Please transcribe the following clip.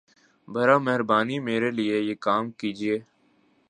براہَ مہربانی میرے لیے یہ کام کیجیے